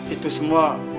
itu semua karena